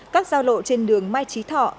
các giao lộ trên đường mai trí thọ